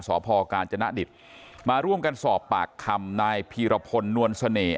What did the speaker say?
สพกาญจนดิตมาร่วมกันสอบปากคำนายพีรพลนวลเสน่ห